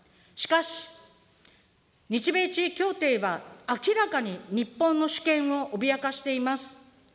しかし、日米地位協定は明らかに日本の主権を脅かしています。